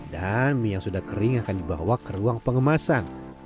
dan mie yang sudah kering akan dibawa ke ruang pengemasan